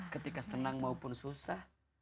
ketika senang maupun susah